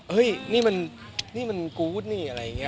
เฮ้ยนี่มันกู๊ดนี่อะไรอย่างเงี้ย